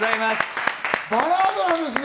バラードなんですね？